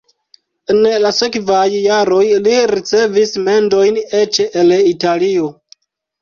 En la sekvaj jaroj li ricevis mendojn eĉ el Italio.